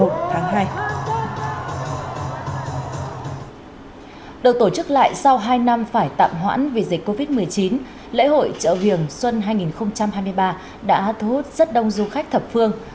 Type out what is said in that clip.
được tổ chức lại sau hai năm phải tạm hoãn vì dịch covid một mươi chín lễ hội chợ riềng xuân hai nghìn hai mươi ba đã thu hút rất đông du khách thập phương